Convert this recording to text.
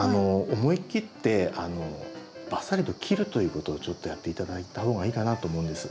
思い切ってバッサリと切るということをちょっとやって頂いた方がいいかなと思うんです。